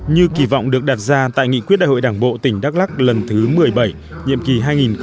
như kỳ vọng được đặt ra tại nghị quyết đại hội đảng bộ tỉnh đắk lắc lần thứ một mươi bảy nhiệm kỳ hai nghìn hai mươi hai nghìn hai mươi năm